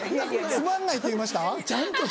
つまんないって言いました？